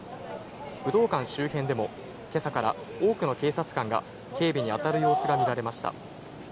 武道館周辺でも今朝から多くの警察官が警備に当たる様子が見られました。